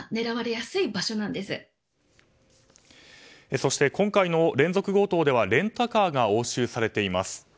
そして今回の連続強盗ではレンタカーが押収されています。